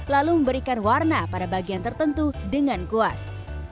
lalu memberikan warna pada bagian tertentu dengan kuas